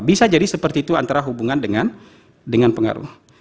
bisa jadi seperti itu antara hubungan dengan pengaruh